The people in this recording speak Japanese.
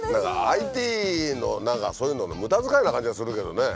ＩＴの何かそういうのの無駄遣いな感じがするけどね。